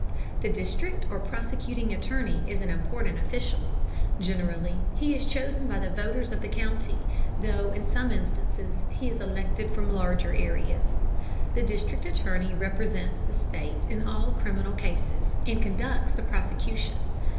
The district or prosecuting attorney is an important official. Generally he is chosen by the voters of the county, though in some instances he is elected from larger areas. The district attorney represents the state in all criminal cases, and conducts the prosecution.